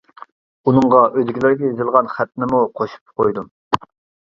ئۇنىڭغا ئۆيدىكىلەرگە يېزىلغان خەتنىمۇ قوشۇپ قويدۇم.